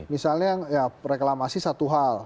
misalnya ya reklamasi satu hal